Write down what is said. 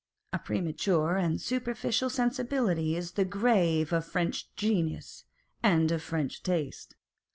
A premature and superficial sensibility is the grave of French genius and of French taste.